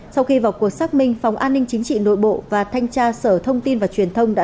sau khi vào cuộc xác minh phòng an ninh chính trị nội bộ và thanh tra sở thông tin và truyền thông đã